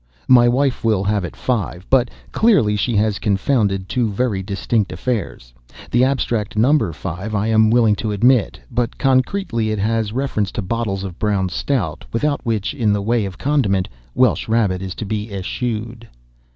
My wife will have it five;—but, clearly, she has confounded two very distinct affairs. The abstract number, five, I am willing to admit; but, concretely, it has reference to bottles of Brown Stout, without which, in the way of condiment, Welsh rabbit is to be eschewed.